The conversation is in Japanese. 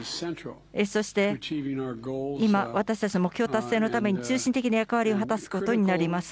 そして今、私たちも目標達成のために中心的な役割を果たすことになります。